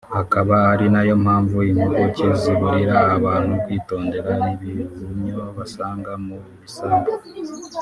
akaba ari na yo mpamvu impuguke ziburira abantu kwitondera ibihumyo basanga mu bisambu